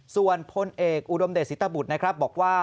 ส่วนพลเอกอุดมเดชศิตบุตรนะครับบอกว่า